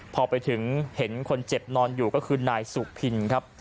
พอไปถึงเห็นคนเจ็บนอนอยู่ก็คือนายสุพินครับ